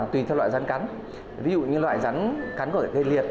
tùy theo loại rắn cắn ví dụ như loại rắn cắn có thể gây liệt